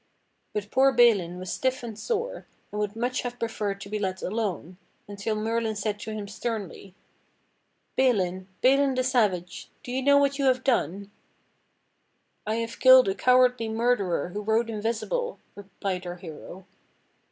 But poor Balin was stiff and sore, and would much have pre ferred to be let alone, until Merlin said to him sternly: "Balin, Balin the Savage, do jmu know what you have done?" "I have killed a cowardly murderer who rode invisible," replied our hero.